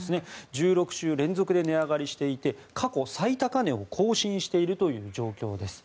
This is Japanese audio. １６週連続で値上がりしていて過去最高値を更新しているという状況です。